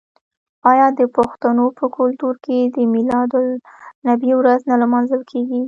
آیا د پښتنو په کلتور کې د میلاد النبي ورځ نه لمانځل کیږي؟